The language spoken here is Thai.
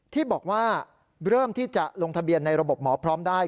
ที่บอกว่าเริ่มที่จะลงทะเบียนในระบบหมอพร้อมได้